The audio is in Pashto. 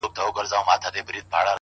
هره ورځ د بدلون تخم لري،